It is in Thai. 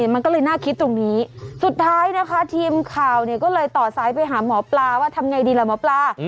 มันก็เลยน่าคิดตรงนี้สุดท้ายนะคะทีมข่าวเนี่ยก็เลยต่อซ้ายไปหาหมอปลาว่าทำไงดีล่ะหมอปลา